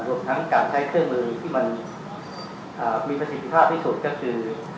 รวมทั้งการใช้เครื่องมือที่มันมีประสิทธิภาพที่สุดก็คือ